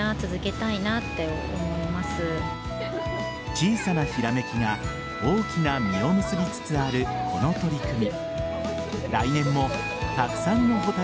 小さなひらめきが大きな実を結びつつあるこの取り組み。